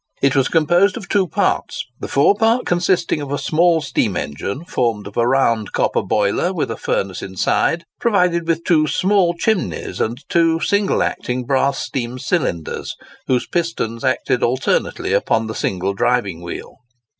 It was composed of two parts—the fore part consisting of a small steam engine, formed of a round copper boiler, with a furnace inside, provided with two small chimneys and two single acting brass steam cylinders, whose pistons acted alternately upon the single driving wheel.